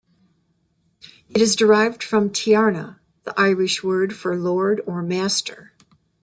It is derived from "tiarna", the Irish word for lord or master.